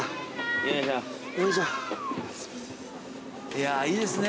いやーいいですね。